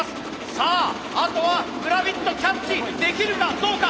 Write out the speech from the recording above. さああとはグラビットキャッチできるかどうか！